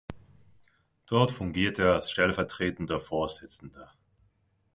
Dort fungierte er als stellvertretender Vorsitzender.